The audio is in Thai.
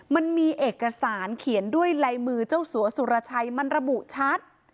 มันมีเอกสารเขียนด้วยลายมือเจ้าสัวสุรชัยมันระบุชัด